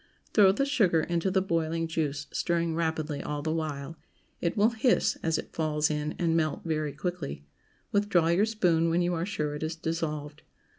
Throw the sugar into the boiling juice, stirring rapidly all the while. It will "hiss" as it falls in, and melt very quickly. Withdraw your spoon when you are sure it is dissolved.